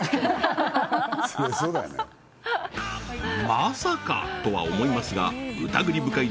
まさかとは思いますが疑り深い